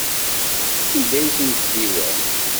Anda ay ten-tdiwam?